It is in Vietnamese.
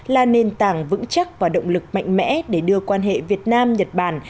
là nền tảng vững chắc và động lực mạnh mẽ để đưa quan hệ việt nam nhật bản